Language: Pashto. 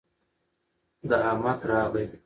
د احمد راغى